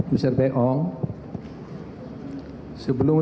mr peng peng